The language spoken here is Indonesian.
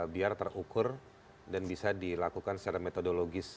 biar terukur dan bisa dilakukan secara metodologis